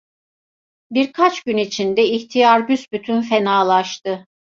Birkaç gün içinde ihtiyar büsbütün fenalaştı.